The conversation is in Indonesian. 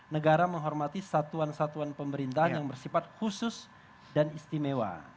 negara menghormati satuan satuan pemerintahan yang bersifat khusus dan istimewa